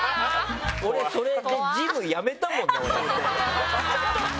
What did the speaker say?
俺、それでジムやめたもんね。